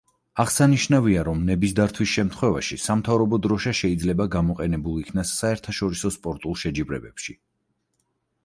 აღსანიშნავია, რომ ნების დართვის შემთხვევაში სამთავრობო დროშა შეიძლება გამოყენებულ იქნას საერთაშორისო სპორტულ შეჯიბრებებში.